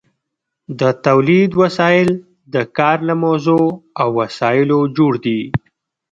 د تولید وسایل د کار له موضوع او وسایلو جوړ دي.